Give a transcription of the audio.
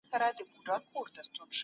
جرګې زموږ د کلتور يوه مهمه برخه ده.